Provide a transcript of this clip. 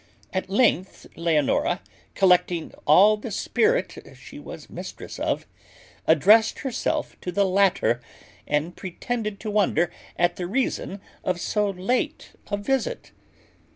At length Leonora, collecting all the spirit she was mistress of, addressed herself to the latter, and pretended to wonder at the reason of so late a visit.